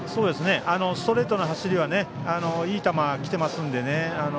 ストレートの走りはいい球が来ていますので。